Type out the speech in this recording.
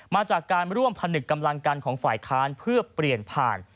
มาจากการร่วมผนึกกำลังกันของฝ่ายค้านเพื่อเปลี่ยนผ่าน